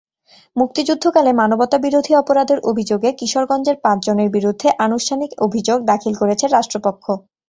মুক্তিযুদ্ধকালে মানবতাবিরোধী অপরাধের অভিযোগে কিশোরগঞ্জের পাঁচজনের বিরুদ্ধে আনুষ্ঠানিক অভিযোগ দাখিল করেছে রাষ্ট্রপক্ষ।